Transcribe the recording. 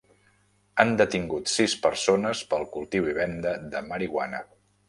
Han detingut sis persones pel cultiu i venda de marihuana.